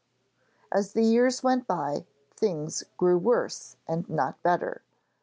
As the years went by, things grew worse and not better.